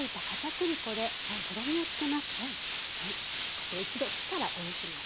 こちら一度火から下ろします。